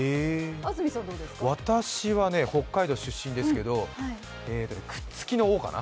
私は北海道出身ですから「くっつきの、を」かな。